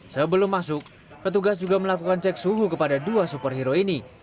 sebelum masuk petugas juga melakukan cek suhu kepada dua superhero ini